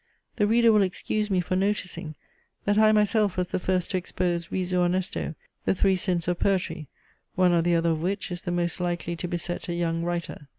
The reader will excuse me for noticing, that I myself was the first to expose risu honesto the three sins of poetry, one or the other of which is the most likely to beset a young writer.